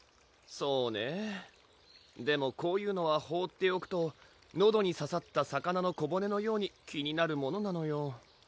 そうねぇでもこういうのは放っておくとのどにささった魚の小骨のように気になるものなのよ